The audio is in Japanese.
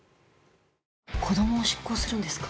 子どもを執行するんですか？